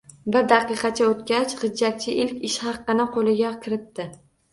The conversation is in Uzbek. Bir daqiqacha oʻtgach, gʻijjakchi ilk ishhaqini qoʻlga kiritdi